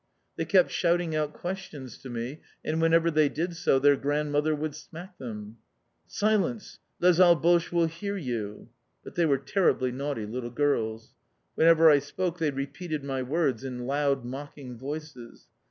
They kept shouting out questions to me, and whenever they did so their grandmother would smack them. "Silence. Les alboches will hear you!" But they were terribly naughty little girls. Whenever I spoke they repeated my words in loud, mocking voices.